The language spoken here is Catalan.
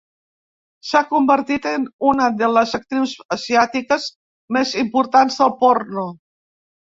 S'ha convertit en una de les actrius asiàtiques més importants del porno.